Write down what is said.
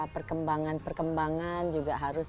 perkembangan perkembangan juga harus